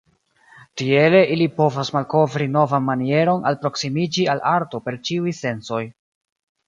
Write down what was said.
Tiele ili povas malkovri novan manieron alproksimiĝi al arto per ĉiuj sensoj.